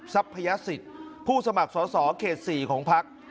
ซับพยาศิษย์ผู้สมัครสอบเขต๔ของภักดิ์